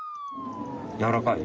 やわらかい？